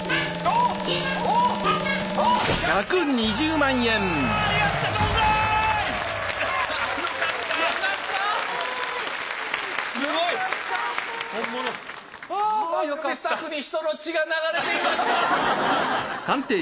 番組スタッフに人の血が流れていました！